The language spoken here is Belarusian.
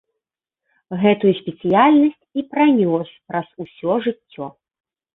Гэтую спецыяльнасць і пранёс праз усё жыццё.